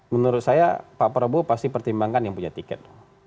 menurut saya pak prabowo pasti pertimbangkan yang punya tiket